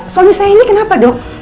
suami saya ini kenapa dok